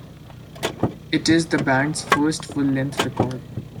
It is the band's first full-length record.